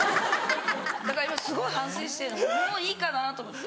だから今すごい反省してるのもういいかなと思って。